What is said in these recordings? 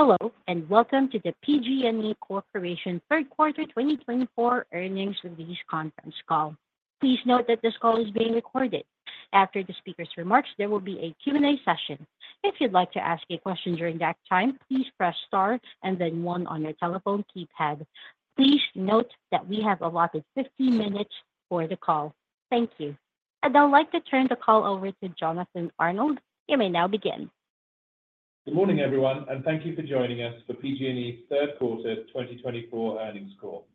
Hello, and welcome to the PG&E Corporation Third Quarter 2024 Earnings Release Conference call. Please note that this call is being recorded. After the speaker's remarks, there will be a Q&A session. If you'd like to ask a question during that time, please press star and then one on your telephone keypad. Please note that we have allotted 15 minutes for the call. Thank you. I'd now like to turn the call over to Jonathan Arnold. You may now begin. Good morning, everyone, and thank you for joining us for PG&E's Third Quarter 2024 Earnings Call.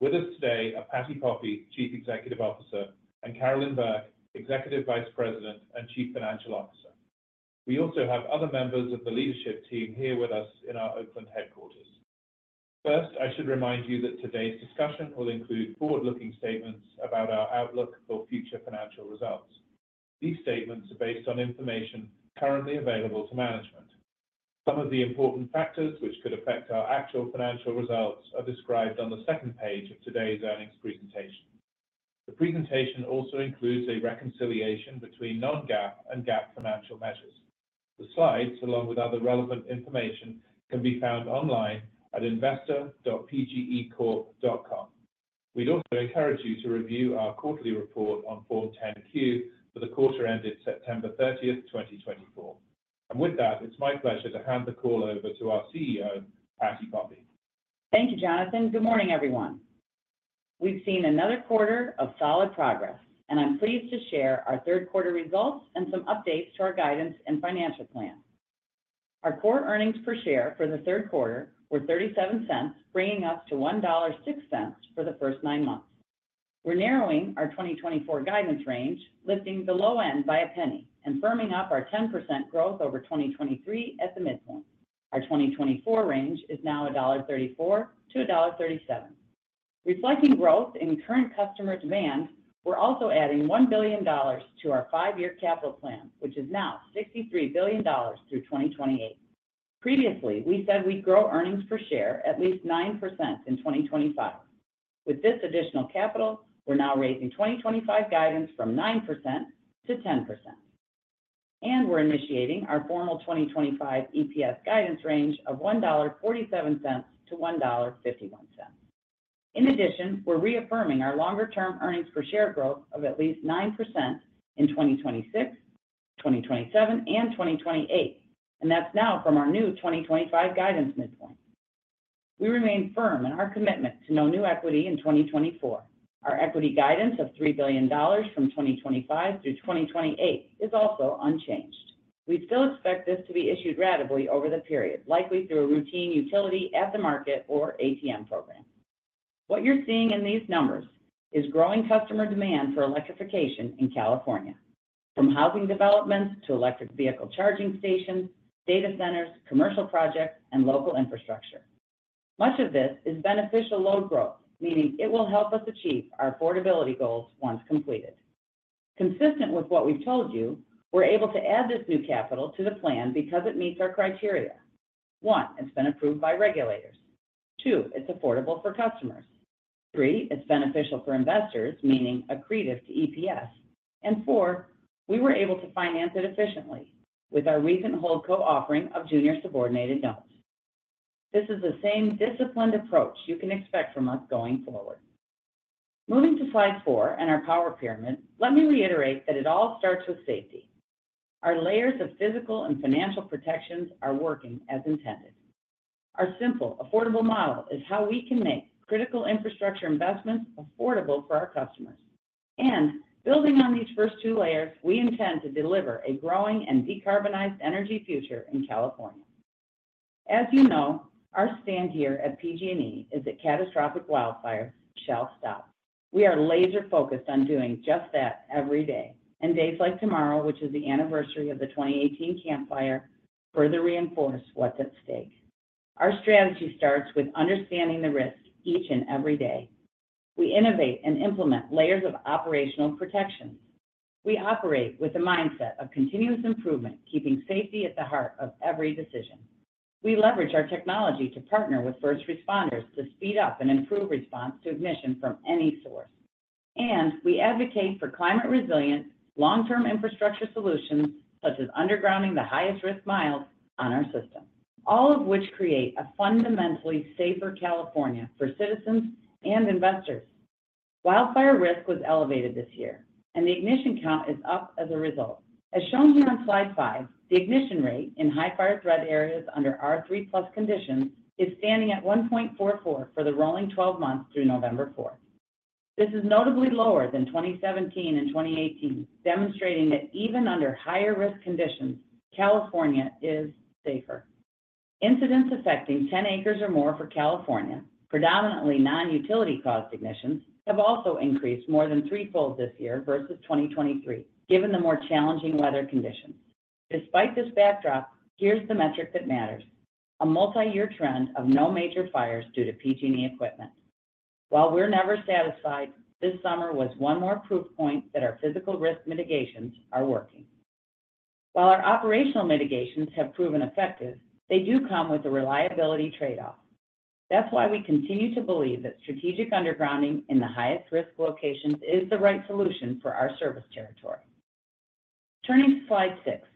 With us today are Patti Poppe, Chief Executive Officer, and Carolyn Burke, Executive Vice President and Chief Financial Officer. We also have other members of the leadership team here with us in our Oakland headquarters. First, I should remind you that today's discussion will include forward-looking statements about our outlook for future financial results. These statements are based on information currently available to management. Some of the important factors which could affect our actual financial results are described on the second page of today's earnings presentation. The presentation also includes a reconciliation between non-GAAP and GAAP financial measures. The slides, along with other relevant information, can be found online at investor.pgecorp.com. We'd also encourage you to review our quarterly report on Form 10-Q for the quarter ended September 30th, 2024. With that, it's my pleasure to hand the call over to our CEO, Patti Poppe. Thank you, Jonathan. Good morning, everyone. We've seen another quarter of solid progress, and I'm pleased to share our third quarter results and some updates to our guidance and financial plan. Our core earnings per share for the third quarter were $0.37, bringing us to $1.06 for the first nine months. We're narrowing our 2024 guidance range, lifting the low end by a penny and firming up our 10% growth over 2023 at the midpoint. Our 2024 range is now $1.34-$1.37. Reflecting growth in current customer demand, we're also adding $1 billion to our five-year capital plan, which is now $63 billion through 2028. Previously, we said we'd grow earnings per share at least 9% in 2025. With this additional capital, we're now raising 2025 guidance from 9%-10%, and we're initiating our formal 2025 EPS guidance range of $1.47-$1.51. In addition, we're reaffirming our longer-term earnings per share growth of at least 9% in 2026, 2027, and 2028, and that's now from our new 2025 guidance midpoint. We remain firm in our commitment to no new equity in 2024. Our equity guidance of $3 billion from 2025 through 2028 is also unchanged. We still expect this to be issued ratably over the period, likely through a routine utility at-the-market or ATM program. What you're seeing in these numbers is growing customer demand for electrification in California, from housing developments to electric vehicle charging stations, data centers, commercial projects, and local infrastructure. Much of this is beneficial load growth, meaning it will help us achieve our affordability goals once completed. Consistent with what we've told you, we're able to add this new capital to the plan because it meets our criteria. One, it's been approved by regulators. Two, it's affordable for customers. Three, it's beneficial for investors, meaning accretive to EPS. And four, we were able to finance it efficiently with our recent HoldCo offering of junior subordinated notes. This is the same disciplined approach you can expect from us going forward. Moving to slide four and our power pyramid, let me reiterate that it all starts with safety. Our layers of physical and financial protections are working as intended. Our simple, affordable model is how we can make critical infrastructure investments affordable for our customers. And building on these first two layers, we intend to deliver a growing and decarbonized energy future in California. As you know, our stand here at PG&E is that catastrophic wildfires shall stop. We are laser-focused on doing just that every day. And days like tomorrow, which is the anniversary of the 2018 Camp Fire, further reinforce what's at stake. Our strategy starts with understanding the risk each and every day. We innovate and implement layers of operational protections. We operate with a mindset of continuous improvement, keeping safety at the heart of every decision. We leverage our technology to partner with first responders to speed up and improve response to ignition from any source, and we advocate for climate resilience, long-term infrastructure solutions such as undergrounding the highest risk miles on our system, all of which create a fundamentally safer California for citizens and investors. Wildfire risk was elevated this year, and the ignition count is up as a result. As shown here on slide five, the ignition rate in high fire threat areas under R3 plus conditions is standing at 1.44 for the rolling 12 months through November 4th. This is notably lower than 2017 and 2018, demonstrating that even under higher risk conditions, California is safer. Incidents affecting 10 acres or more for California, predominantly non-utility-caused ignitions, have also increased more than threefold this year versus 2023, given the more challenging weather conditions. Despite this backdrop, here's the metric that matters: a multi-year trend of no major fires due to PG&E equipment. While we're never satisfied, this summer was one more proof point that our physical risk mitigations are working. While our operational mitigations have proven effective, they do come with a reliability trade-off. That's why we continue to believe that strategic undergrounding in the highest risk locations is the right solution for our service territory. Turning to slide six,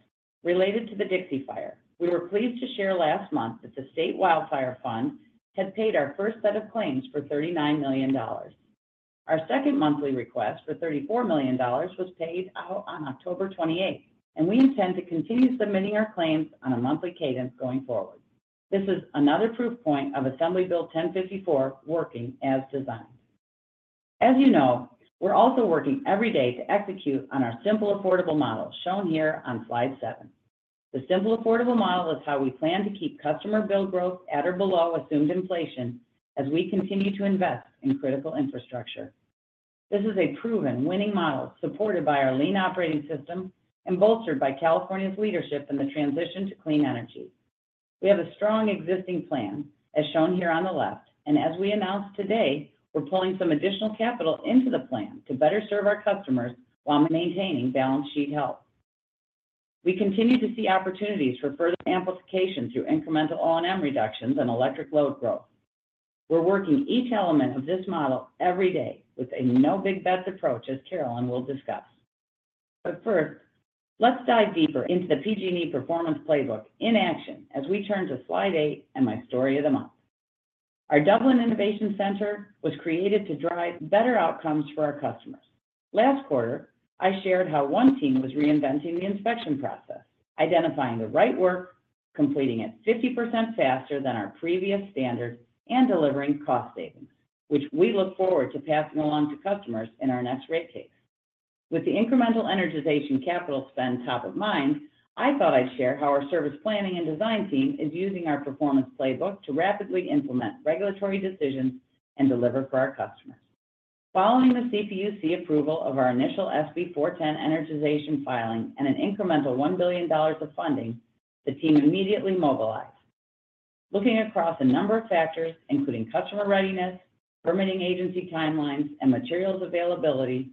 related to the Dixie Fire, we were pleased to share last month that the State Wildfire Fund had paid our first set of claims for $39 million. Our second monthly request for $34 million was paid out on October 28th, and we intend to continue submitting our claims on a monthly cadence going forward. This is another proof point of Assembly Bill 1054 working as designed. As you know, we're also working every day to execute on our Simple Affordable Model shown here on slide seven. The Simple Affordable Model is how we plan to keep customer bill growth at or below assumed inflation as we continue to invest in critical infrastructure. This is a proven winning model supported by our lean operating system and bolstered by California's leadership in the transition to clean energy. We have a strong existing plan, as shown here on the left, and as we announced today, we're pulling some additional capital into the plan to better serve our customers while maintaining balance sheet health. We continue to see opportunities for further amplification through incremental O&M reductions and electric load growth. We're working each element of this model every day with a no big bets approach, as Carolyn will discuss. But first, let's dive deeper into the PG&E Performance Playbook in action as we turn to slide eight and my story of the month. Our Dublin Innovation Center was created to drive better outcomes for our customers. Last quarter, I shared how one team was reinventing the inspection process, identifying the right work, completing it 50% faster than our previous standard, and delivering cost savings, which we look forward to passing along to customers in our next rate case. With the incremental energization capital spend top of mind, I thought I'd share how our service planning and design team is using our Performance Playbook to rapidly implement regulatory decisions and deliver for our customers. Following the CPUC approval of our initial SB 410 energization filing and an incremental $1 billion of funding, the team immediately mobilized. Looking across a number of factors, including customer readiness, permitting agency timelines, and materials availability,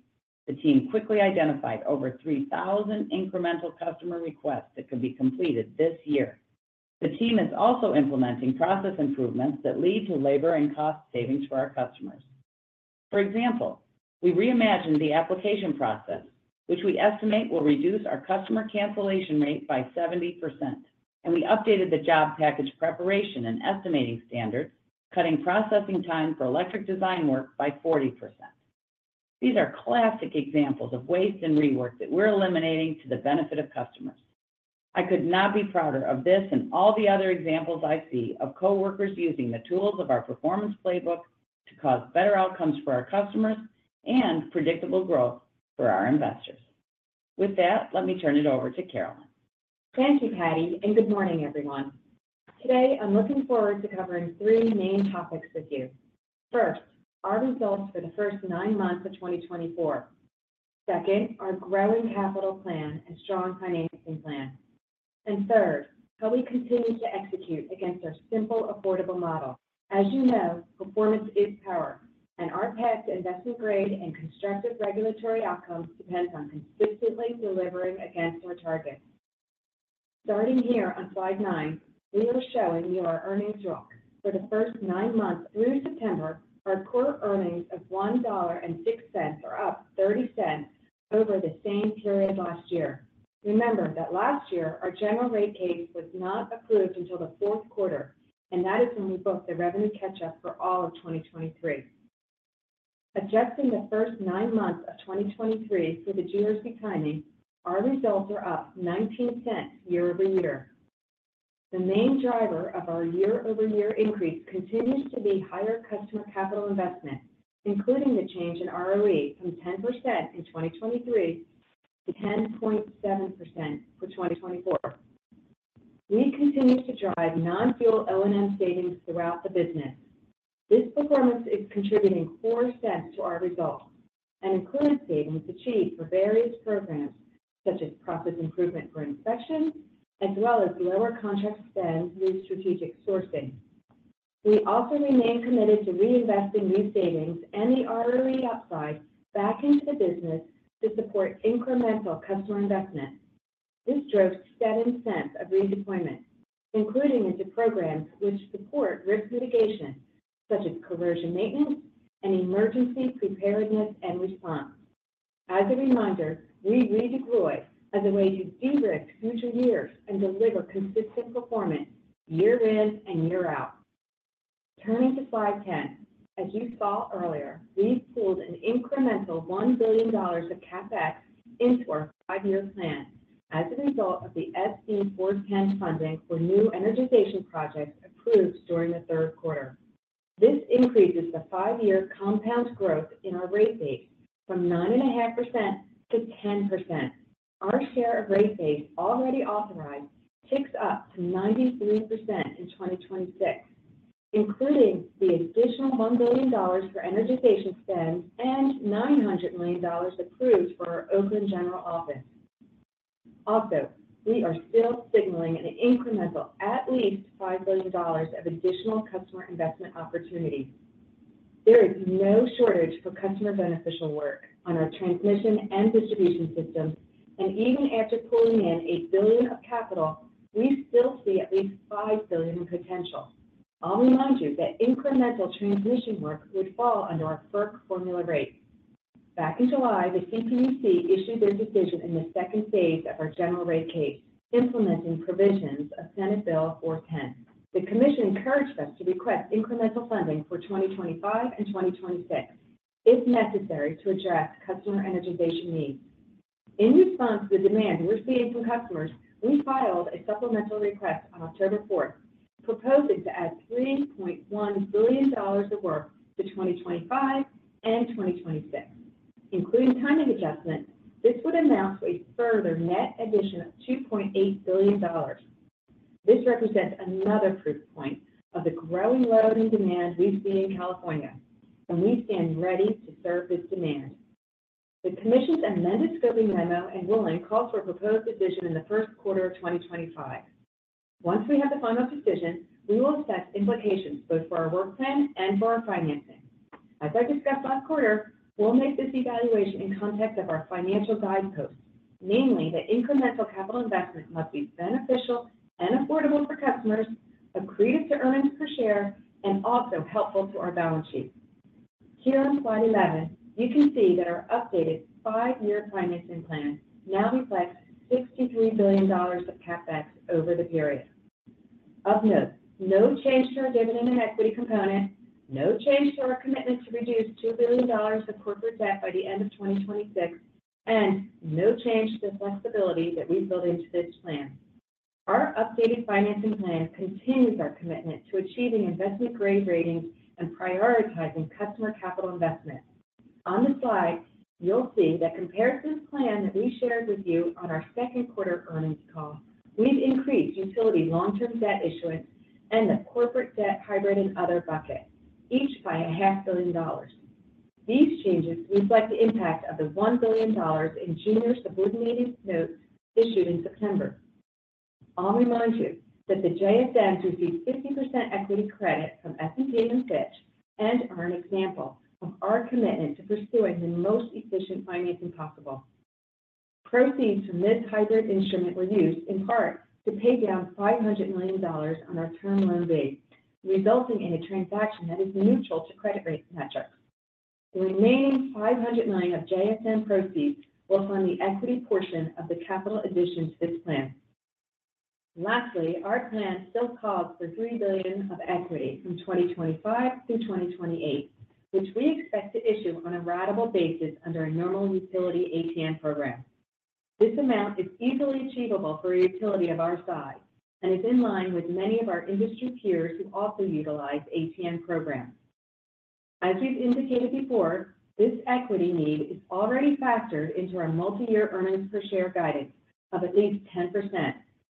the team quickly identified over 3,000 incremental customer requests that could be completed this year. The team is also implementing process improvements that lead to labor and cost savings for our customers. For example, we reimagined the application process, which we estimate will reduce our customer cancellation rate by 70%, and we updated the job package preparation and estimating standards, cutting processing time for electric design work by 40%. These are classic examples of waste and rework that we're eliminating to the benefit of customers. I could not be prouder of this and all the other examples I see of coworkers using the tools of our Performance Playbook to cause better outcomes for our customers and predictable growth for our investors. With that, let me turn it over to Carolyn. Thank you, Patti, and good morning, everyone. Today, I'm looking forward to covering three main topics with you. First, our results for the first nine months of 2024. Second, our growing capital plan and strong financing plan. And third, how we continue to execute against our Simple Affordable Model. As you know, performance is power, and our path to investment grade and constructive regulatory outcomes depends on consistently delivering against our targets. Starting here on slide nine, we are showing you our earnings growth. For the first nine months through September, our core earnings of $1.06 are up $0.30 over the same period last year. Remember that last year, our General Rate Case was not approved until the fourth quarter, and that is when we booked the revenue catch-up for all of 2023. Adjusting the first nine months of 2023 for the GRC timing, our results are up $0.19 year over year. The main driver of our year-over-year increase continues to be higher customer capital investment, including the change in ROE from 10% in 2023 to 10.7% for 2024. We continue to drive non-fuel O&M savings throughout the business. This performance is contributing $0.04 to our results and includes savings achieved for various programs, such as process improvement for inspection, as well as lower contract spend through strategic sourcing. We also remain committed to reinvesting these savings and the ROE upside back into the business to support incremental customer investment. This drove $0.07 of redeployment, including into programs which support risk mitigation, such as corrosion maintenance and emergency preparedness and response. As a reminder, we redeploy as a way to de-risk future years and deliver consistent performance year in and year out. Turning to slide 10, as you saw earlier, we pulled an incremental $1 billion of CapEx into our five-year plan as a result of the SB 410 funding for new energization projects approved during the third quarter. This increases the five-year compound growth in our rate base from 9.5%-10%. Our share of rate base already authorized ticks up to 93% in 2026, including the additional $1 billion for energization spend and $900 million approved for our Oakland General Office. Also, we are still signaling an incremental at least $5 billion of additional customer investment opportunities. There is no shortage for customer beneficial work on our transmission and distribution systems, and even after pulling in a billion of capital, we still see at least $5 billion in potential. I'll remind you that incremental transmission work would fall under our FERC formula rate. Back in July, the CPUC issued their decision in the second phase of our general rate case, implementing provisions of Senate Bill 410. The commission encouraged us to request incremental funding for 2025 and 2026, if necessary, to address customer energization needs. In response to the demand we're seeing from customers, we filed a supplemental request on October 4th, proposing to add $3.1 billion of work to 2025 and 2026. Including timing adjustments, this would amount to a further net addition of $2.8 billion. This represents another proof point of the growing load and demand we see in California, and we stand ready to serve this demand. The commission's amended scoping memo and ruling calls for a proposed decision in the first quarter of 2025. Once we have the final decision, we will assess implications both for our work plan and for our financing. As I discussed last quarter, we'll make this evaluation in context of our financial guideposts, namely that incremental capital investment must be beneficial and affordable for customers, accretive to earnings per share, and also helpful to our balance sheet. Here on slide 11, you can see that our updated five-year financing plan now reflects $63 billion of CapEx over the period. Of note, no change to our dividend and equity component, no change to our commitment to reduce $2 billion of corporate debt by the end of 2026, and no change to the flexibility that we've built into this plan. Our updated financing plan continues our commitment to achieving investment-grade ratings and prioritizing customer capital investment. On the slide, you'll see that compared to the plan that we shared with you on our second quarter earnings call, we've increased utility long-term debt issuance and the corporate debt hybrid and other bucket, each by $500 million. These changes reflect the impact of the $1 billion in junior subordinated notes issued in September. I'll remind you that the JSM received 50% equity credit from S&P and Fitch and are an example of our commitment to pursuing the most efficient financing possible. Proceeds from this hybrid instrument were used in part to pay down $500 million on our term loan base, resulting in a transaction that is neutral to credit rate metrics. The remaining $500 million of JSM proceeds will fund the equity portion of the capital addition to this plan. Lastly, our plan still calls for $3 billion of equity from 2025 through 2028, which we expect to issue on a ratable basis under a normal utility ATM program. This amount is easily achievable for a utility of our size and is in line with many of our industry peers who also utilize ATM programs. As we've indicated before, this equity need is already factored into our multi-year earnings per share guidance of at least 10%,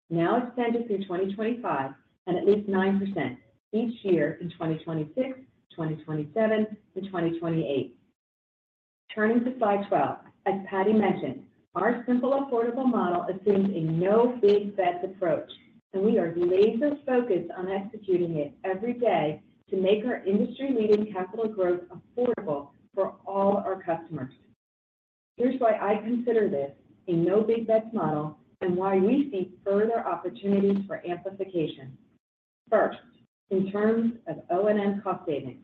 now extended through 2025, and at least 9% each year in 2026, 2027, and 2028. Turning to slide 12, as Patti mentioned, our Simple Affordable Model assumes a no big bets approach, and we are laser-focused on executing it every day to make our industry-leading capital growth affordable for all our customers. Here's why I consider this a no big bets model and why we see further opportunities for amplification. First, in terms of O&M cost savings,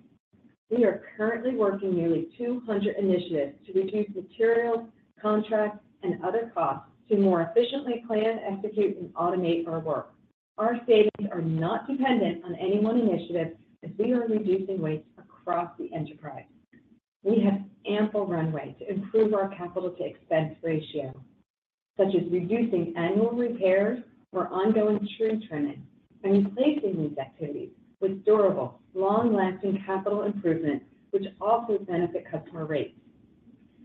we are currently working nearly 200 initiatives to reduce materials, contracts, and other costs to more efficiently plan, execute, and automate our work. Our savings are not dependent on any one initiative as we are reducing waste across the enterprise. We have ample runway to improve our capital-to-expense ratio, such as reducing annual repairs or ongoing tree trimming and replacing these activities with durable, long-lasting capital improvements, which also benefit customer rates.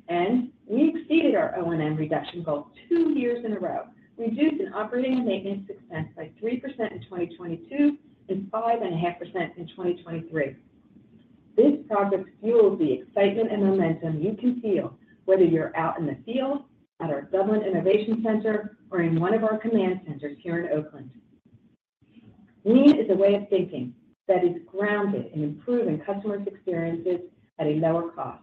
And we exceeded our O&M reduction goal two years in a row, reducing operating and maintenance expense by 3% in 2022 and 5.5% in 2023. This progress fuels the excitement and momentum you can feel whether you're out in the field at our Dublin Innovation Center or in one of our command centers here in Oakland. Lean is a way of thinking that is grounded in improving customer experiences at a lower cost.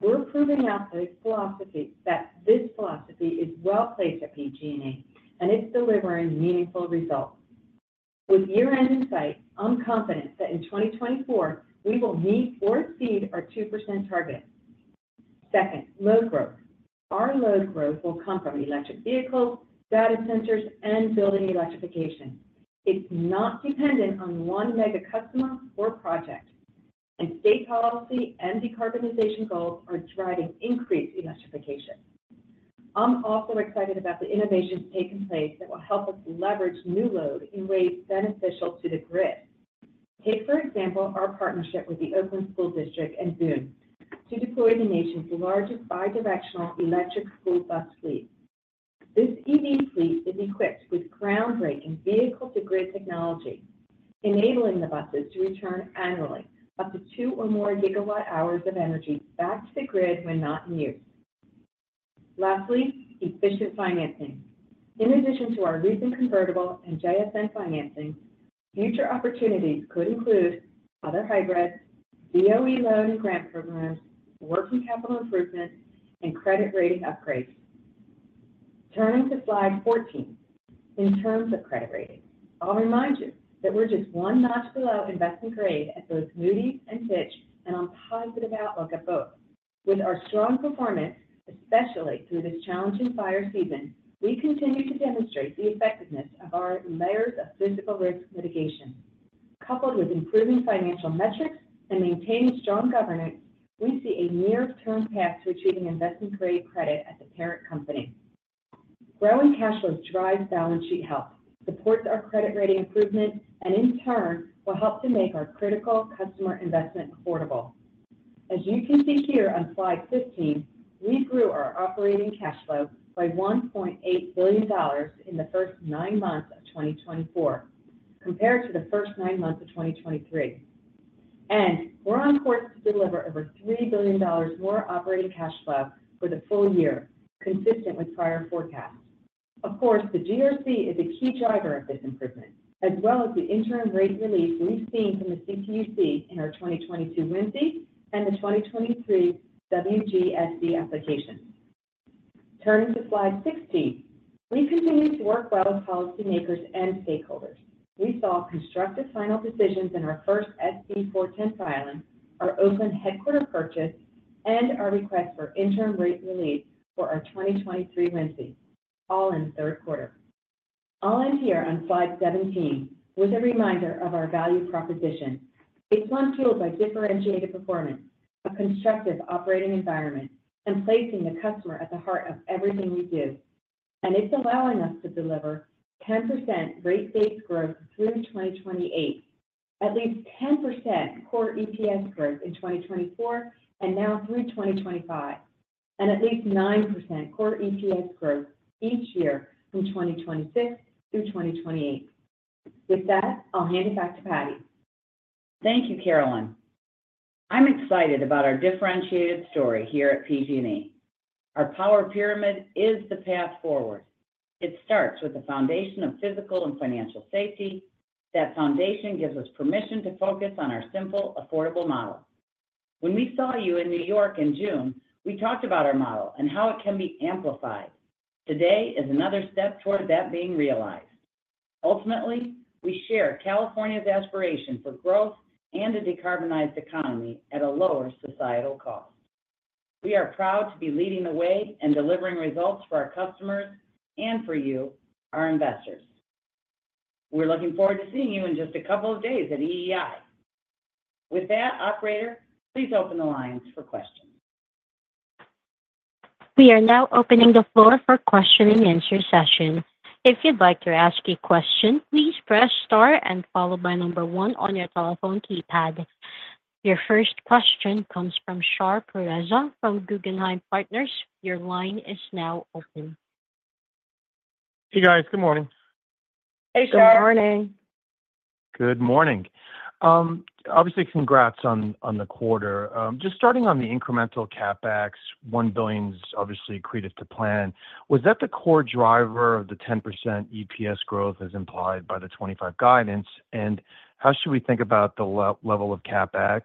We're proving out a philosophy that this philosophy is well placed at PG&E, and it's delivering meaningful results. With year-end in sight, I'm confident that in 2024, we will meet or exceed our 2% target. Second, load growth. Our load growth will come from electric vehicles, data centers, and building electrification. It's not dependent on one mega customer or project, and state policy and decarbonization goals are driving increased electrification. I'm also excited about the innovations taking place that will help us leverage new load in ways beneficial to the grid. Take, for example, our partnership with the to deploy the nation's largest bi-directional electric school bus fleet. This EV fleet is equipped with groundbreaking vehicle-to-grid technology, enabling the buses to return annually up to two or more gigawatt-hours of energy back to the grid when not in use. Lastly, efficient financing. In addition to our recent convertible and JSM financing, future opportunities could include other hybrids, DOE loan and grant programs, working capital improvements, and credit rating upgrades. Turning to slide 14, in terms of credit rating, I'll remind you that we're just one notch below investment grade at both Moody's and Fitch, and on positive outlook at both. With our strong performance, especially through this challenging fire season, we continue to demonstrate the effectiveness of our layers of physical risk mitigation. Coupled with improving financial metrics and maintaining strong governance, we see a near-term path to achieving investment-grade credit at the parent company. Growing cash flows drive balance sheet health, support our credit rating improvement, and in turn, will help to make our critical customer investment affordable. As you can see here on slide 15, we grew our operating cash flow by $1.8 billion in the first nine months of 2024, compared to the first nine months of 2023. And we're on course to deliver over $3 billion more operating cash flow for the full year, consistent with prior forecasts. Of course, the GRC is a key driver of this improvement, as well as the interim rate relief we've seen from the CPUC in our 2022 WMCE and the 2023 WMCE application. Turning to slide 16, we continue to work well with policymakers and stakeholders. We saw constructive final decisions in our first SB 410 filing, our Oakland headquarters purchase, and our request for interim rate relief for our 2023 WMCE, all in the third quarter. I'll end here on slide 17 with a reminder of our value proposition. It's one fueled by differentiated performance, a constructive operating environment, and placing the customer at the heart of everything we do. And it's allowing us to deliver 10% rate-based growth through 2028, at least 10% core EPS growth in 2024 and now through 2025, and at least 9% core EPS growth each year from 2026 through 2028. With that, I'll hand it back to Patti. Thank you, Carolyn. I'm excited about our differentiated story here at PG&E. Our Power Pyramid is the path forward. It starts with the foundation of physical and financial safety. That foundation gives us permission to focus on our Simple Affordable Model. When we saw you in New York in June, we talked about our model and how it can be amplified. Today is another step toward that being realized. Ultimately, we share California's aspiration for growth and a decarbonized economy at a lower societal cost. We are proud to be leading the way and delivering results for our customers and for you, our investors. We're looking forward to seeing you in just a couple of days at EEI. With that, operator, please open the lines for questions. We are now opening the floor for question and answer session. If you'd like to ask a question, please press star and followed by number one on your telephone keypad. Your first question comes from Shar Pourreza from Guggenheim Partners. Your line is now open. Hey, guys. Good morning. Hey, Shar. Good morning. Good morning. Obviously, congrats on the quarter. Just starting on the incremental CapEx, $1 billion obviously accretive to plan. Was that the core driver of the 10% EPS growth as implied by the 2025 guidance? And how should we think about the level of CapEx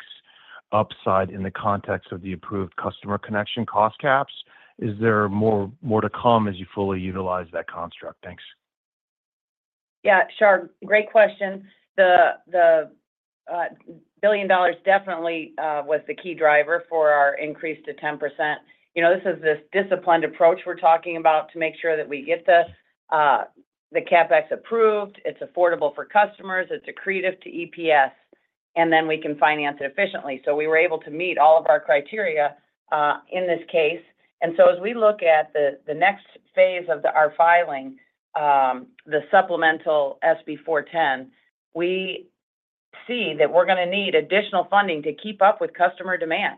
upside in the context of the approved customer connection cost caps? Is there more to come as you fully utilize that construct? Thanks. Yeah, Shar, great question. The billion dollars definitely was the key driver for our increase to 10%. This is the disciplined approach we're talking about to make sure that we get the CapEx approved, it's affordable for customers, it's accretive to EPS, and then we can finance it efficiently. So we were able to meet all of our criteria in this case. And so as we look at the next phase of our filing, the supplemental SB 410, we see that we're going to need additional funding to keep up with customer demand.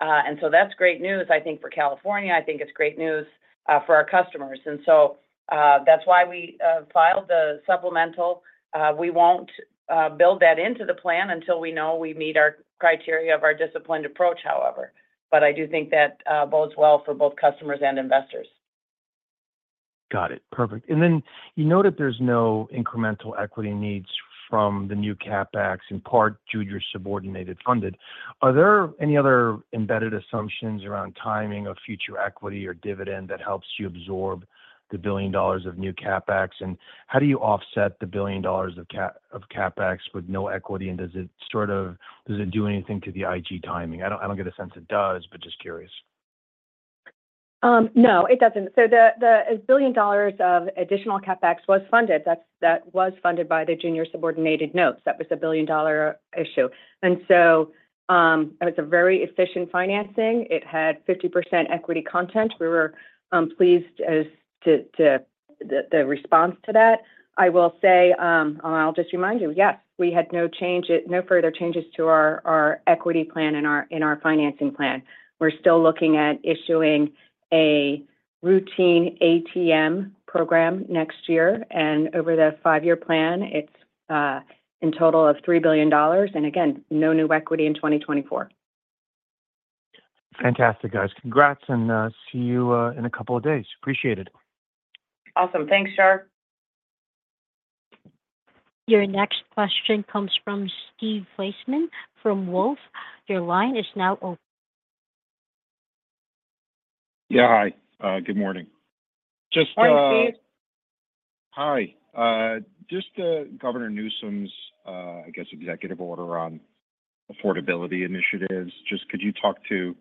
And so that's great news, I think, for California. I think it's great news for our customers. And so that's why we filed the supplemental. We won't build that into the plan until we know we meet our criteria of our disciplined approach, however. But I do think that bodes well for both customers and investors. Got it. Perfect. And then you note that there's no incremental equity needs from the new CapEx, in part due to your subordinated funding. Are there any other embedded assumptions around timing of future equity or dividend that helps you absorb the $1 billion of new CapEx? And how do you offset the $1 billion of CapEx with no equity? And does it sort of do anything to the IG timing? I don't get a sense it does, but just curious. No, it doesn't. So the $1 billion of additional CapEx was funded. That was funded by the Junior Subordinated Notes. That was a $1 billion issue. And so it was a very efficient financing. It had 50% equity content. We were pleased as to the response to that. I will say, and I'll just remind you, yes, we had no change, no further changes to our equity plan and our financing plan. We're still looking at issuing a routine ATM program next year. And over the five-year plan, it's in total of $3 billion. And again, no new equity in 2024. Fantastic, guys. Congrats, and see you in a couple of days. Appreciate it. Awesome. Thanks, Shar. Your next question comes from Steve Fleishman from Wolfe Research. Your line is now open. Yeah, hi. Good morning. Hi, Steve. Just Governor Newsom's, I guess, executive order on affordability initiatives. Just could you talk to,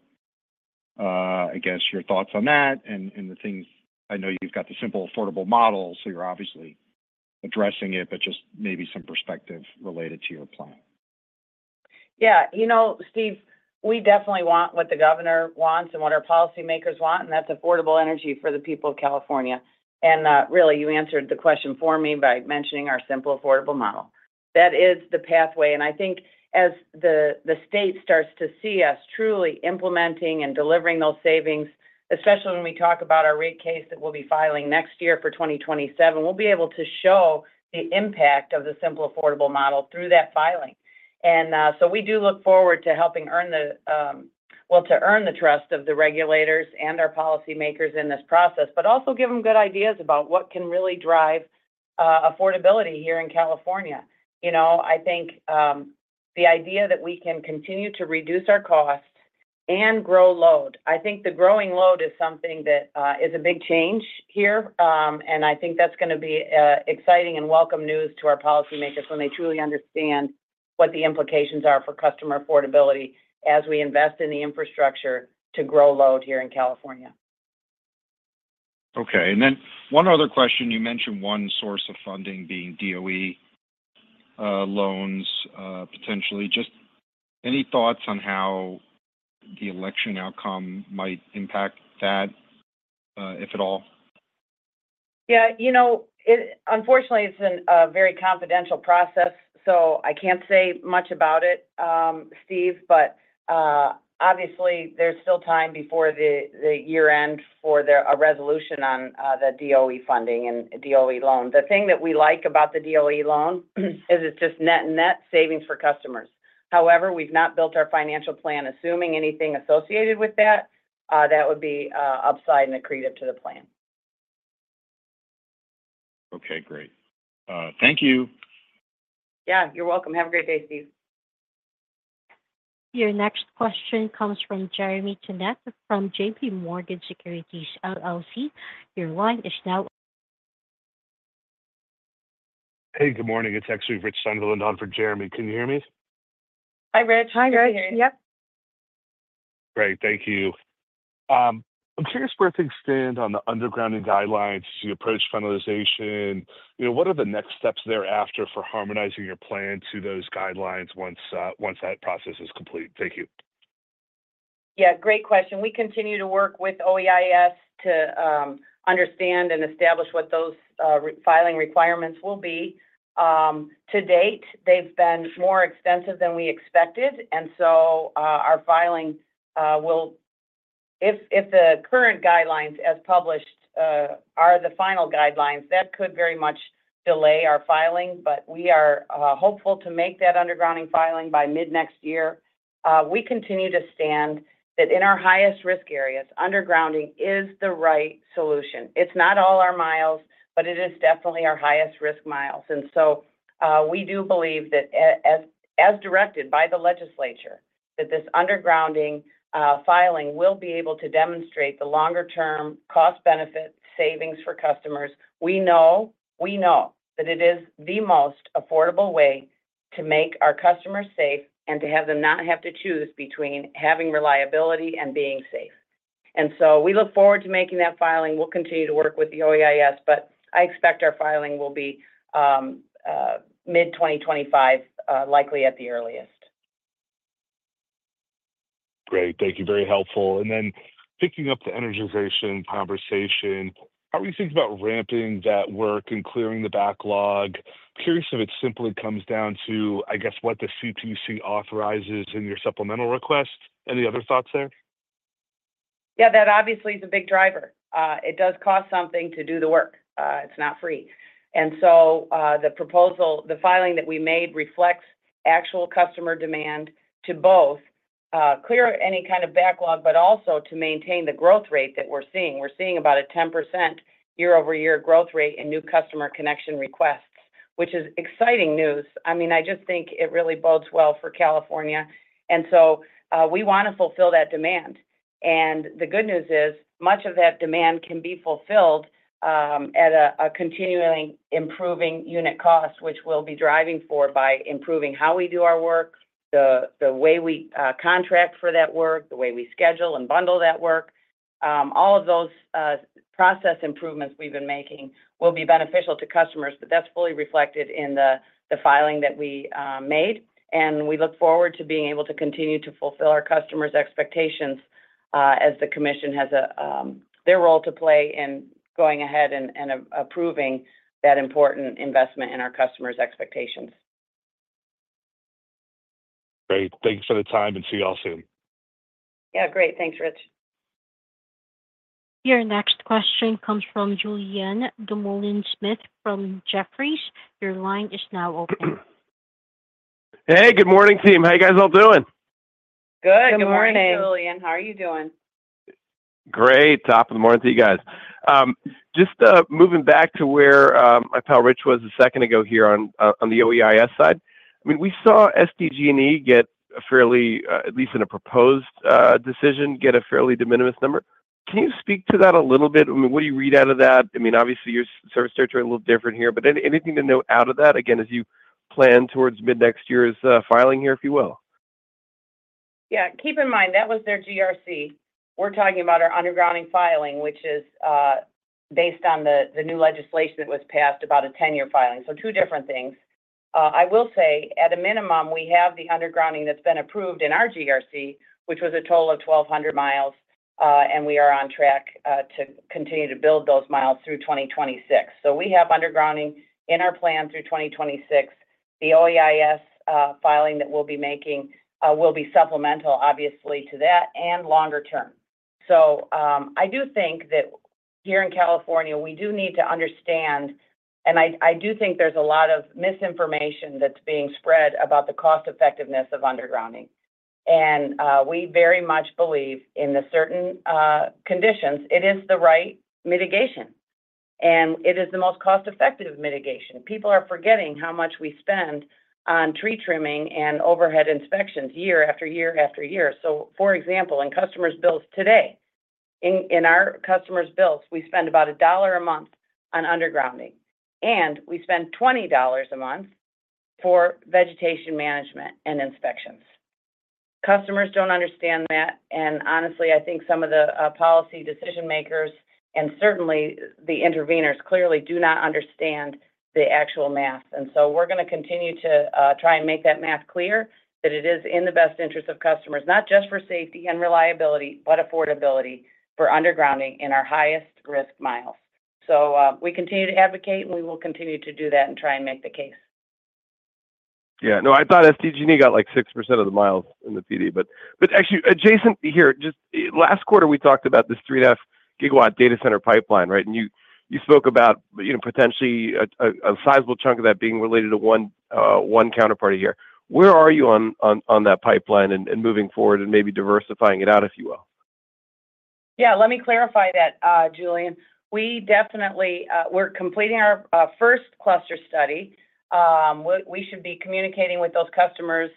I guess, your thoughts on that and the things I know you've got the simple affordable model, so you're obviously addressing it, but just maybe some perspective related to your plan. Yeah. You know, Steve, we definitely want what the governor wants and what our policymakers want, and that's affordable energy for the people of California. And really, you answered the question for me by mentioning our simple affordable model. That is the pathway. And I think as the state starts to see us truly implementing and delivering those savings, especially when we talk about our rate case that we'll be filing next year for 2027, we'll be able to show the impact of the simple affordable model through that filing. So we do look forward to helping earn the, well, to earn the trust of the regulators and our policymakers in this process, but also give them good ideas about what can really drive affordability here in California. You know, I think the idea that we can continue to reduce our cost and grow load. I think the growing load is something that is a big change here. I think that's going to be exciting and welcome news to our policymakers when they truly understand what the implications are for customer affordability as we invest in the infrastructure to grow load here in California. Okay. And then one other question. You mentioned one source of funding being DOE loans potentially. Just any thoughts on how the election outcome might impact that, if at all? Yeah. You know, unfortunately, it's a very confidential process, so I can't say much about it, Steve. But obviously, there's still time before the year-end for a resolution on the DOE funding and DOE loan. The thing that we like about the DOE loan is it's just net and net savings for customers. However, we've not built our financial plan assuming anything associated with that. That would be upside and accretive to the plan. Okay, great. Thank you. Yeah, you're welcome. Have a great day, Steve. Your next question comes from Jeremy Tonet from JPMorgan Securities LLC. Your line is now. Hey, good morning. It's actually Rich Sundel and Don for Jeremy. Can you hear me? Hi, Rich. Hi, Rich. Yep. Great. Thank you. I'm curious where things stand on the undergrounding guidelines to approach finalization. What are the next steps thereafter for harmonizing your plan to those guidelines once that process is complete? Thank you. Yeah, great question. We continue to work with OEIS to understand and establish what those filing requirements will be. To date, they've been more extensive than we expected. And so our filing will, if the current guidelines as published are the final guidelines, that could very much delay our filing. But we are hopeful to make that undergrounding filing by mid-next year. We continue to stand that in our highest risk areas, undergrounding is the right solution. It's not all our miles, but it is definitely our highest risk miles. And so we do believe that as directed by the legislature, that this undergrounding filing will be able to demonstrate the longer-term cost-benefit savings for customers. We know, we know that it is the most affordable way to make our customers safe and to have them not have to choose between having reliability and being safe. And so we look forward to making that filing. We'll continue to work with the OEIS, but I expect our filing will be mid-2025, likely at the earliest. Great. Thank you. Very helpful. And then picking up the energization conversation, how are you thinking about ramping that work and clearing the backlog? Curious if it simply comes down to, I guess, what the CPUC authorizes in your supplemental request. Any other thoughts there? Yeah, that obviously is a big driver. It does cost something to do the work. It's not free. And so the proposal, the filing that we made reflects actual customer demand to both clear any kind of backlog, but also to maintain the growth rate that we're seeing. We're seeing about a 10% year-over-year growth rate in new customer connection requests, which is exciting news. I mean, I just think it really bodes well for California. And so we want to fulfill that demand. And the good news is much of that demand can be fulfilled at a continually improving unit cost, which we'll be driving for by improving how we do our work, the way we contract for that work, the way we schedule and bundle that work. All of those process improvements we've been making will be beneficial to customers, but that's fully reflected in the filing that we made. And we look forward to being able to continue to fulfill our customers' expectations as the commission has their role to play in going ahead and approving that important investment in our customers' expectations. Great. Thanks for the time and see you all soon. Yeah, great. Thanks, Rich. Your next question comes from Julien Dumoulin-Smith from Jefferies. Your line is now open. Hey, good morning, team. How you guys all doing? Good. Good morning. Hey, Julien. How are you doing? Great. Top of the morning to you guys. Just moving back to where I left Rich a second ago here on the OEIS side. I mean, we saw SDG&E get a fairly, at least in a proposed decision, de minimis number. Can you speak to that a little bit? I mean, what do you read out of that? I mean, obviously, your service territory is a little different here. But anything to note out of that, again, as you plan towards mid-next year's filing here, if you will? Yeah. Keep in mind that was their GRC. We're talking about our undergrounding filing, which is based on the new legislation that was passed, about a 10-year filing. So two different things. I will say, at a minimum, we have the undergrounding that's been approved in our GRC, which was a total of 1,200 miles, and we are on track to continue to build those miles through 2026. So we have undergrounding in our plan through 2026. The OEIS filing that we'll be making will be supplemental, obviously, to that and longer-term. So I do think that here in California, we do need to understand, and I do think there's a lot of misinformation that's being spread about the cost-effectiveness of undergrounding. And we very much believe in the certain conditions, it is the right mitigation, and it is the most cost-effective mitigation. People are forgetting how much we spend on tree trimming and overhead inspections year after year after year. So, for example, in customers' bills today, in our customers' bills, we spend about $1 a month on undergrounding, and we spend $20 a month for vegetation management and inspections. Customers don't understand that. And honestly, I think some of the policy decision-makers and certainly the intervenors clearly do not understand the actual math. And so we're going to continue to try and make that math clear that it is in the best interest of customers, not just for safety and reliability, but affordability for undergrounding in our highest risk miles. So we continue to advocate, and we will continue to do that and try and make the case. Yeah. No, I thought SDG&E got like 6% of the miles in the PD, but actually, Jason, here, just last quarter, we talked about this 3.5 gigawatt data center pipeline, right? And you spoke about potentially a sizable chunk of that being related to one counterparty here. Where are you on that pipeline and moving forward and maybe diversifying it out, if you will? Yeah. Let me clarify that, Julien. We definitely were completing our first cluster study. We should be communicating with those customers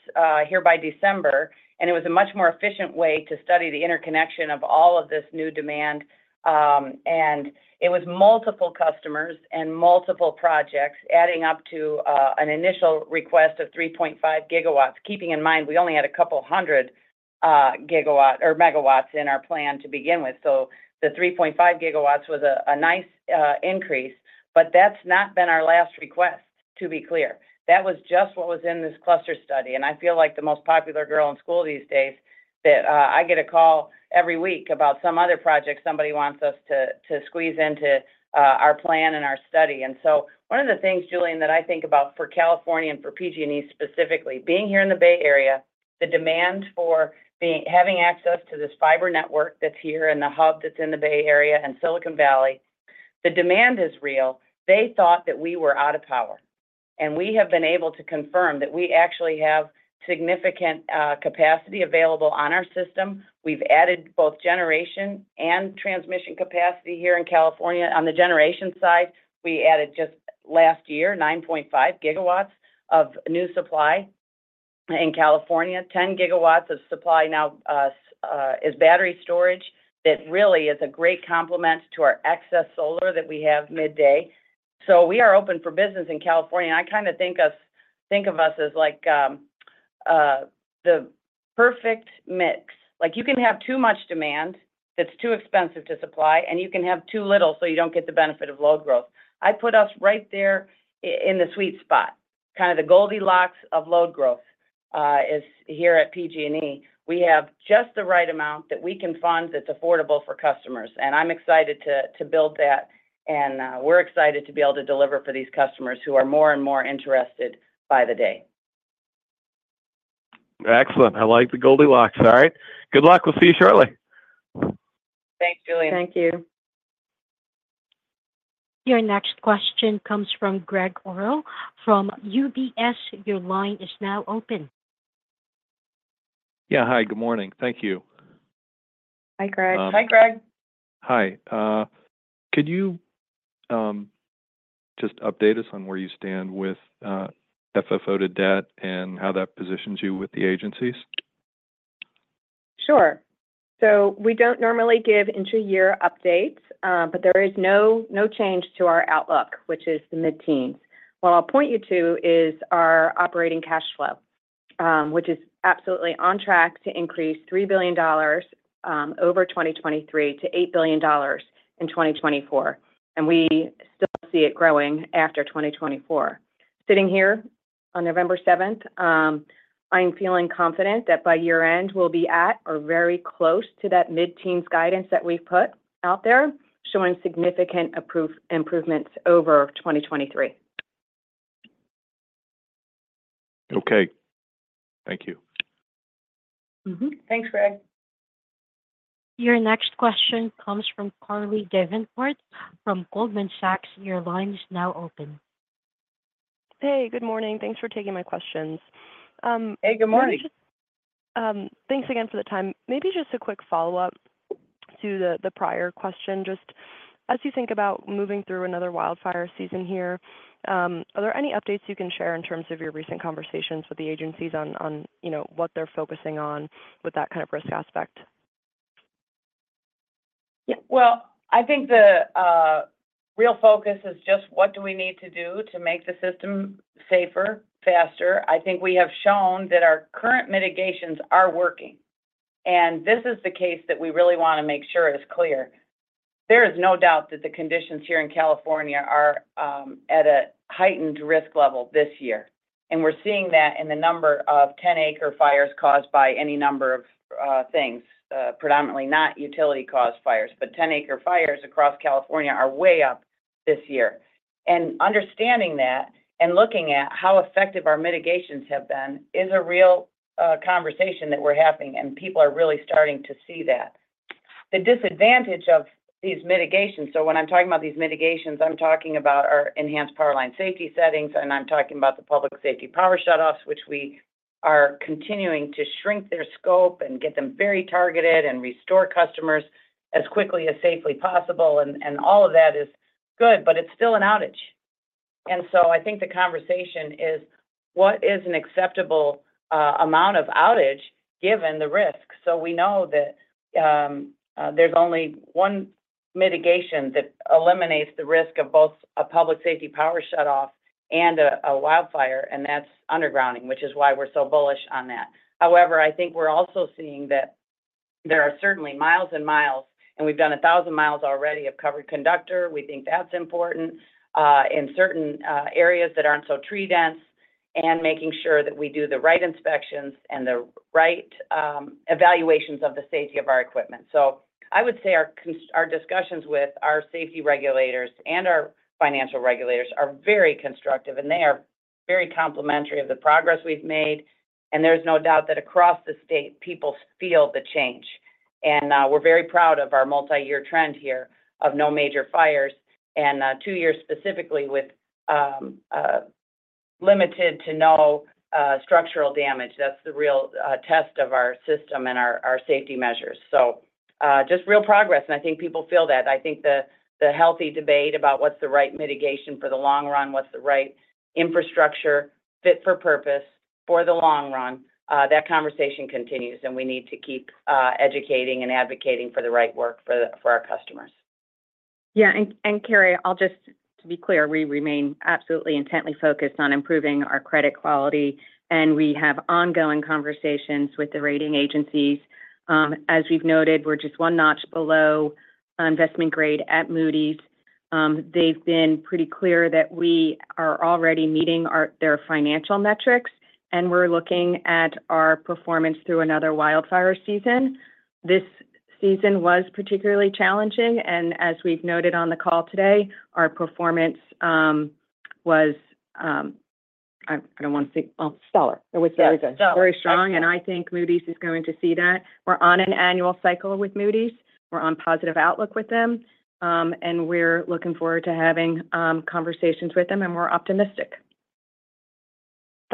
here by December. It was a much more efficient way to study the interconnection of all of this new demand. It was multiple customers and multiple projects adding up to an initial request of 3.5 GW, keeping in mind we only had a couple 100 GW or MW in our plan to begin with. The 3.5 GW was a nice increase, but that's not been our last request, to be clear. That was just what was in this cluster study. I feel like the most popular girl in school these days that I get a call every week about some other project somebody wants us to squeeze into our plan and our study. One of the things, Julien, that I think about for California and for PG&E specifically, being here in the Bay Area, the demand for having access to this fiber network that's here and the hub that's in the Bay Area and Silicon Valley, the demand is real. They thought that we were out of power. We have been able to confirm that we actually have significant capacity available on our system. We've added both generation and transmission capacity here in California. On the generation side, we added just last year 9.5 GW of new supply in California, 10 GW of supply now as battery storage that really is a great complement to our excess solar that we have midday. We are open for business in California. I kind of think of us as like the perfect mix. Like you can have too much demand that's too expensive to supply, and you can have too little so you don't get the benefit of load growth. I put us right there in the sweet spot. Kind of the Goldilocks of load growth is here at PG&E. We have just the right amount that we can fund that's affordable for customers. And I'm excited to build that. And we're excited to be able to deliver for these customers who are more and more interested by the day. Excellent. I like the Goldilocks. All right. Good luck. We'll see you shortly. Thanks, Julien. Thank you. Your next question comes from Greg Orrill from UBS. Your line is now open. Yeah. Hi, good morning. Thank you. Hi, Greg. Hi, Greg. Hi. Could you just update us on where you stand with FFO to debt and how that positions you with the agencies? Sure. So we don't normally give inter-year updates, but there is no change to our outlook, which is the mid-teens. What I'll point you to is our operating cash flow, which is absolutely on track to increase $3 billion over 2023 to $8 billion in 2024. And we still see it growing after 2024. Sitting here on November 7th, I'm feeling confident that by year-end, we'll be at or very close to that mid-teens guidance that we've put out there, showing significant improvements over 2023. Okay. Thank you. Thanks, Greg. Your next question comes from Carly Davenport from Goldman Sachs. Your line is now open. Hey, good morning. Thanks for taking my questions. Hey, good morning. Thanks again for the time. Maybe just a quick follow-up to the prior question. Just as you think about moving through another wildfire season here, are there any updates you can share in terms of your recent conversations with the agencies on what they're focusing on with that kind of risk aspect? Yeah. Well, I think the real focus is just what do we need to do to make the system safer, faster. I think we have shown that our current mitigations are working. And this is the case that we really want to make sure is clear. There is no doubt that the conditions here in California are at a heightened risk level this year. And we're seeing that in the number of 10-acre fires caused by any number of things, predominantly not utility-caused fires, but 10-acre fires across California are way up this year. Understanding that and looking at how effective our mitigations have been is a real conversation that we're having. People are really starting to see that. The disadvantage of these mitigations, so when I'm talking about these mitigations, I'm talking about our Enhanced Powerline Safety Settings, and I'm talking about the public safety power shutoffs, which we are continuing to shrink their scope and get them very targeted and restore customers as quickly as safely possible. All of that is good, but it's still an outage. I think the conversation is, what is an acceptable amount of outage given the risk? We know that there's only one mitigation that eliminates the risk of both a public safety power shutoff and a wildfire, and that's undergrounding, which is why we're so bullish on that. However, I think we're also seeing that there are certainly miles and miles, and we've done 1,000 miles already of covered conductor. We think that's important in certain areas that aren't so tree-dense and making sure that we do the right inspections and the right evaluations of the safety of our equipment. So I would say our discussions with our safety regulators and our financial regulators are very constructive, and they are very complimentary of the progress we've made. And there's no doubt that across the state, people feel the change. And we're very proud of our multi-year trend here of no major fires and two years specifically with limited to no structural damage. That's the real test of our system and our safety measures. So just real progress. And I think people feel that. I think the healthy debate about what's the right mitigation for the long run, what's the right infrastructure fit for purpose for the long run, that conversation continues, and we need to keep educating and advocating for the right work for our customers. Yeah, and Carolyn, I'll just, to be clear, we remain absolutely intently focused on improving our credit quality. And we have ongoing conversations with the rating agencies. As we've noted, we're just one notch below investment grade at Moody's. They've been pretty clear that we are already meeting their financial metrics, and we're looking at our performance through another wildfire season. This season was particularly challenging, and as we've noted on the call today, our performance was, I don't want to say, well, stellar. It was very good. Very strong, and I think Moody's is going to see that. We're on an annual cycle with Moody's. We're on positive outlook with them. And we're looking forward to having conversations with them, and we're optimistic.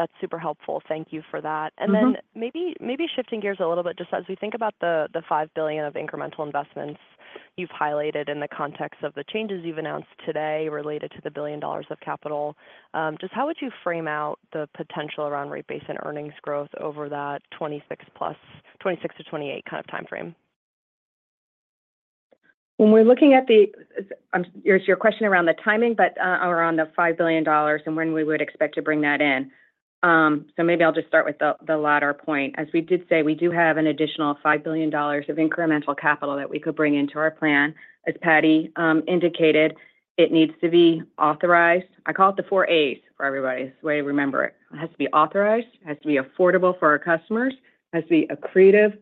That's super helpful. Thank you for that. And then maybe shifting gears a little bit, just as we think about the $5 billion of incremental investments you've highlighted in the context of the changes you've announced today related to the $1 billion of capital, just how would you frame out the potential around rate base and earnings growth over that 26-28 kind of timeframe? When we're looking at the, your question around the timing, but around the $5 billion and when we would expect to bring that in. So maybe I'll just start with the latter point. As we did say, we do have an additional $5 billion of incremental capital that we could bring into our plan. As Patti indicated, it needs to be authorized. I call it the four A's for everybody's way to remember it. It has to be authorized. It has to be affordable for our customers. It has to be accretive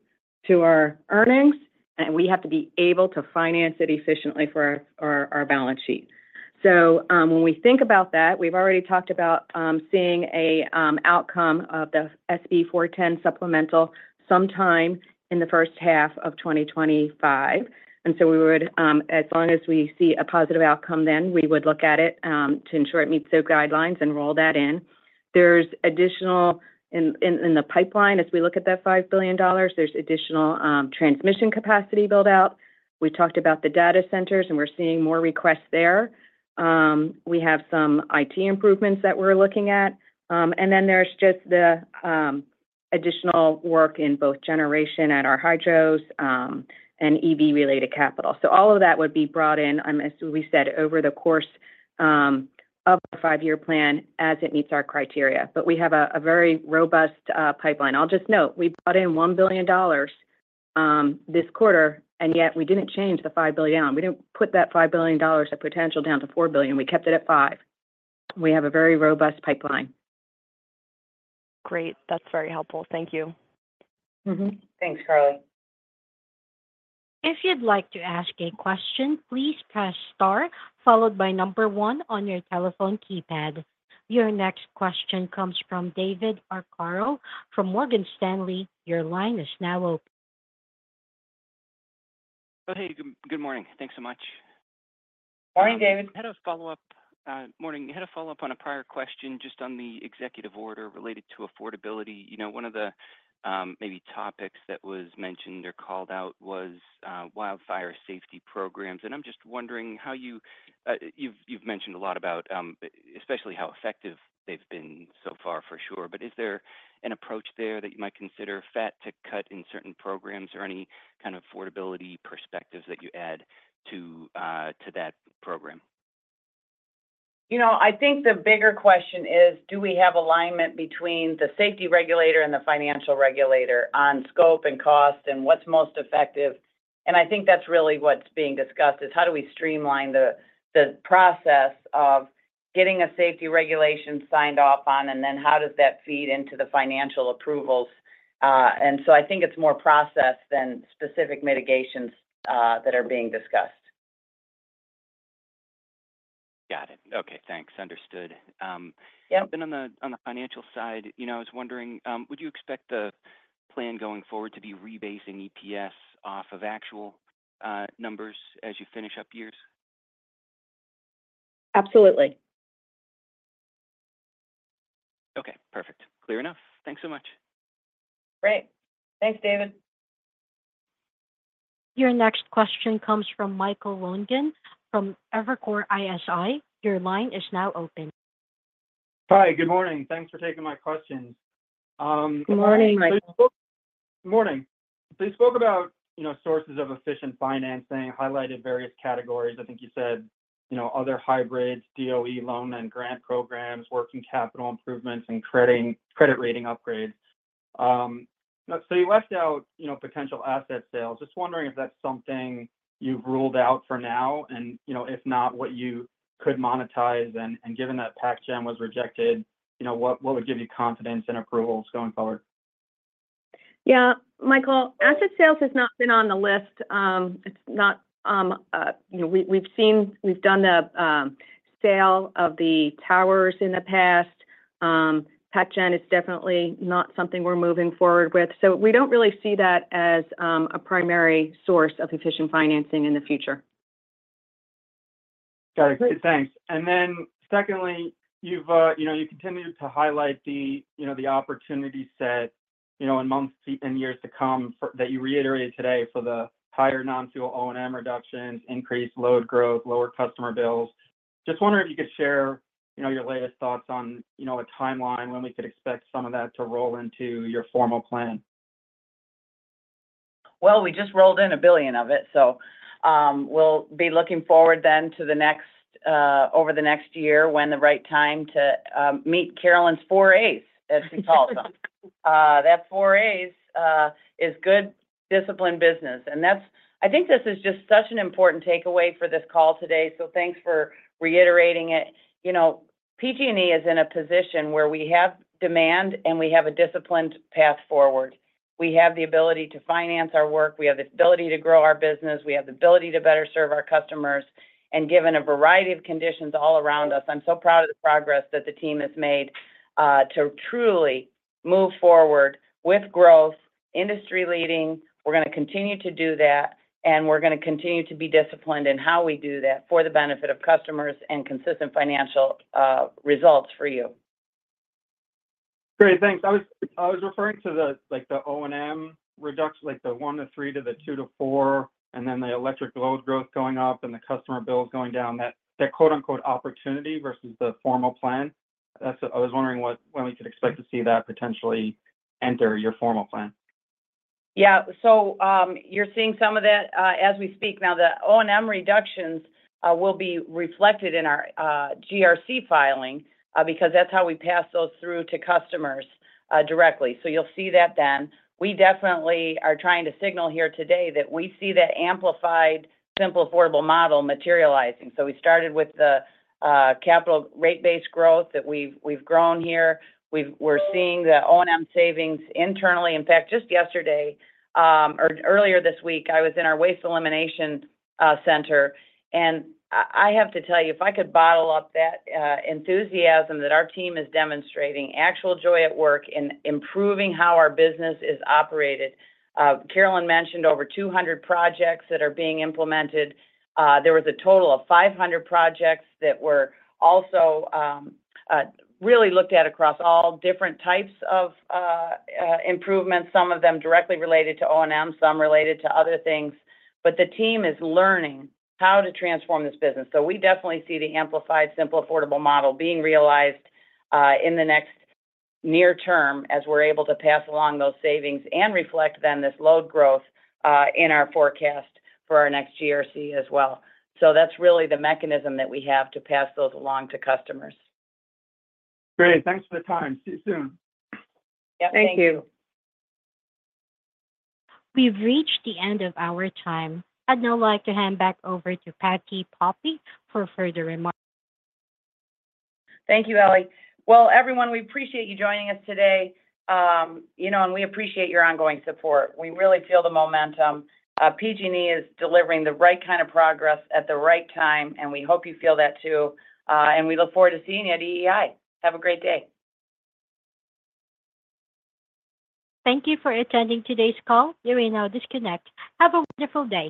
to our earnings, and we have to be able to finance it efficiently for our balance sheet. So when we think about that, we've already talked about seeing an outcome of the SB 410 supplemental sometime in the first half of 2025, and so we would, as long as we see a positive outcome, then we would look at it to ensure it meets the guidelines and roll that in. There's additional in the pipeline as we look at that $5 billion. There's additional transmission capacity built out. We talked about the data centers, and we're seeing more requests there. We have some IT improvements that we're looking at. And then there's just the additional work in both generation at our hydros and EV-related capital. So all of that would be brought in, as we said, over the course of the five-year plan as it meets our criteria. But we have a very robust pipeline. I'll just note we brought in $1 billion this quarter, and yet we didn't change the $5 billion down. We didn't put that $5 billion of potential down to $4 billion. We kept it at 5. We have a very robust pipeline. Great. That's very helpful. Thank you. Thanks, Carly. If you'd like to ask a question, please press star followed by number one on your telephone keypad. Your next question comes from David Arcaro from Morgan Stanley. Your line is now open. Hey, good morning. Thanks so much. Morning, David. Had a follow-up morning. Had a follow-up on a prior question just on the executive order related to affordability. One of the maybe topics that was mentioned or called out was wildfire safety programs. And I'm just wondering how you've mentioned a lot about especially how effective they've been so far, for sure. But is there an approach there that you might consider fat to cut in certain programs or any kind of affordability perspectives that you add to that program? I think the bigger question is, do we have alignment between the safety regulator and the financial regulator on scope and cost and what's most effective? And I think that's really what's being discussed is how do we streamline the process of getting a safety regulation signed off on, and then how does that feed into the financial approvals? And so I think it's more process than specific mitigations that are being discussed. Got it. Okay. Thanks. Understood. I've been on the financial side. I was wondering, would you expect the plan going forward to be rebasing EPS off of actual numbers as you finish up years? Absolutely. Okay. Perfect. Clear enough. Thanks so much. Great. Thanks, David. Your next question comes from Michael Lonegan from Evercore ISI. Your line is now open. Hi. Good morning. Thanks for taking my questions. Good morning, Michael. Good morning. So you spoke about sources of efficient financing, highlighted various categories. I think you said other hybrids, DOE loan and grant programs, working capital improvements, and credit rating upgrades. So you left out potential asset sales. Just wondering if that's something you've ruled out for now. And if not, what you could monetize? And given that PacGen was rejected, what would give you confidence and approvals going forward? Yeah. Michael, asset sales has not been on the list. It's not we've done the sale of the towers in the past. PacGen is definitely not something we're moving forward with. So we don't really see that as a primary source of efficient financing in the future. Got it. Great. Thanks. And then secondly, you've continued to highlight the opportunity set in months and years to come that you reiterated today for the higher non-fuel O&M reductions, increased load growth, lower customer bills. Just wondering if you could share your latest thoughts on a timeline when we could expect some of that to roll into your formal plan. Well, we just rolled in $1 billion of it. So we'll be looking forward then to the next year when the right time to meet Carolyn's four A's as she calls them. That four A's is good disciplined business. And I think this is just such an important takeaway for this call today. So thanks for reiterating it. PG&E is in a position where we have demand and we have a disciplined path forward. We have the ability to finance our work. We have the ability to grow our business. We have the ability to better serve our customers. And given a variety of conditions all around us, I'm so proud of the progress that the team has made to truly move forward with growth, industry-leading. We're going to continue to do that. And we're going to continue to be disciplined in how we do that for the benefit of customers and consistent financial results for you. Great. Thanks. I was referring to the O&M reduction, like the one to three to the two to four, and then the electric load growth going up and the customer bills going down, that quote-unquote opportunity versus the formal plan. I was wondering when we could expect to see that potentially enter your formal plan. Yeah. So you're seeing some of that as we speak now. The O&M reductions will be reflected in our GRC filing because that's how we pass those through to customers directly. So you'll see that then. We definitely are trying to signal here today that we see that amplified simple affordable model materializing. So we started with the capital rate-based growth that we've grown here. We're seeing the O&M savings internally. In fact, just yesterday or earlier this week, I was in our Waste Elimination Center. And I have to tell you, if I could bottle up that enthusiasm that our team is demonstrating, actual joy at work in improving how our business is operated. Carolyn mentioned over 200 projects that are being implemented. There was a total of 500 projects that were also really looked at across all different types of improvements, some of them directly related to O&M, some related to other things. But the team is learning how to transform this business. So we definitely see the amplified Simple Affordable Model being realized in the next near term as we're able to pass along those savings and reflect then this load growth in our forecast for our next GRC as well. So that's really the mechanism that we have to pass those along to customers. Great. Thanks for the time. See you soon. Yep. Thank you. Thank you. We've reached the end of our time. I'd now like to hand back over to Patti Poppe for further remarks. Thank you, Ellie. Well, everyone, we appreciate you joining us today. And we appreciate your ongoing support. We really feel the momentum. PG&E is delivering the right kind of progress at the right time, and we hope you feel that too. And we look forward to seeing you at EEI. Have a great day. Thank you for attending today's call. You're in our disconnect. Have a wonderful day.